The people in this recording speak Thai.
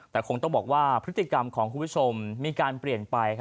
แต่คงต้องบอกว่าพฤติกรรมของคุณผู้ชมมีการเปลี่ยนไป